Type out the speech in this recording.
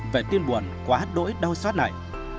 về tim buồn quá đỗi đau xót này